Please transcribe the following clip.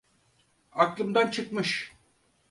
Aklımdan çıkmış.